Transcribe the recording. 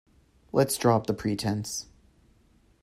Let’s drop the pretence